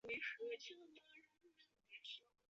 欧鸽为鸠鸽科鸽属的鸟类。